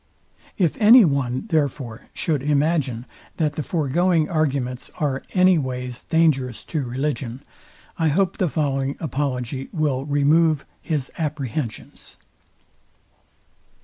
If any one, therefore, should imagine that the foregoing arguments are any ways dangerous to religion, I hope the following apology will remove his apprehensions.